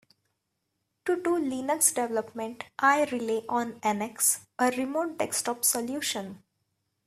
To do Linux development, I rely on NX, a remote desktop solution.